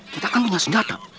kita kan punya senjata